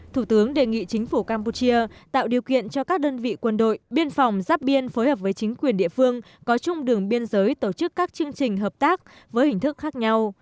thủ tướng đề nghị chính phủ campuchia tạo điều kiện cho các đơn vị quân đội biên phòng giáp biên phối hợp với chính quyền địa phương có chung đường biên giới tổ chức các chương trình hợp tác với hình thức khác nhau